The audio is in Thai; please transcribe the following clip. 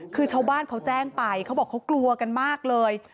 คือชาวบ้านเขาแจ้งไปเขาบอกเขากลัวกันมากเลย